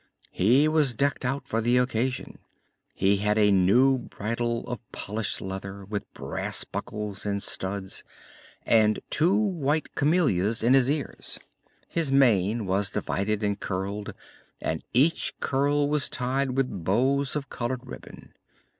He was decked out for the occasion. He had a new bridle of polished leather with brass buckles and studs, and two white camelias in his ears. His mane was divided and curled, and each curl was tied with bows of colored ribbon.